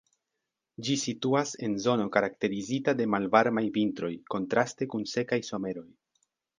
Ĝi situas en zono karakterizita de malvarmaj vintroj, kontraste kun sekaj someroj.